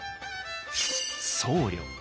僧侶。